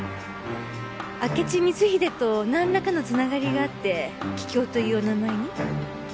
明智光秀となんらかの繋がりがあって桔梗というお名前に？